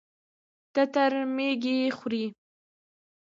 تتر ميږي خوري.